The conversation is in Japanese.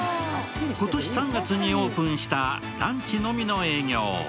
今年３月にオープンしたランチのみの営業。